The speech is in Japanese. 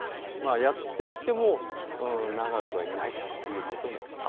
やって来ても長くはいないということですね。